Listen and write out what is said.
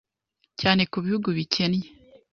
cyane ku bihugu bikennye.